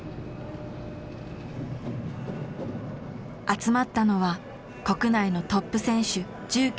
集まったのは国内のトップ選手１９人。